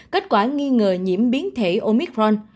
kết quả nghi ngờ nhiễm biến thể omicron